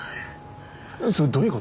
それどういう事？